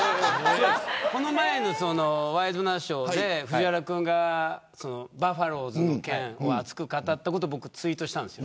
この前のワイドナショーで藤原君がバファローズの件を熱く語ったことをツイートしたんです。